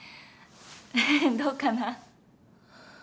どうかな？